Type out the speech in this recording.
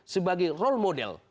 sebagai role model